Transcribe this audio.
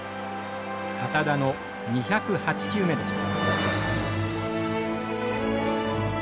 堅田の２０８球目でした。